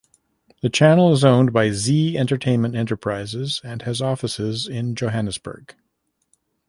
The channel is owned by Zee Entertainment Enterprises and has offices in Johannesburg.